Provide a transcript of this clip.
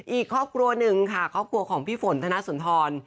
อีกครอบครัวนึงครอบครัวของพี่ฝนทานาสนทร